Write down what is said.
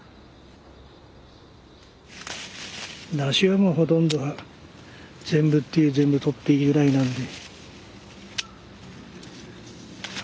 ナシはもうほとんど全部っていう全部とっていいぐらいなんで。